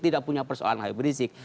tidak punya persoalan habib rizik